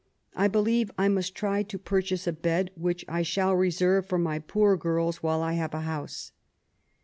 I believe I must try to purchase a bed^ which I shall reserve for my poor girls while I have a house."